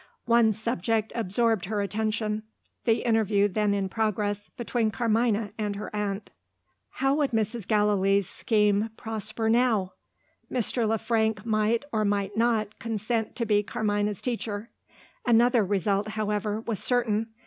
One subject absorbed her attention the interview then in progress between Carmina and her aunt. How would Mrs. Gallilee's scheme prosper now? Mr. Le Frank might, or might not, consent to be Carmina's teacher. Another result, however, was certain.